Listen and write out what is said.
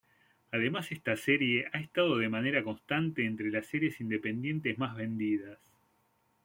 Además esta serie ha estado de manera constante entre las series independientes más vendidas.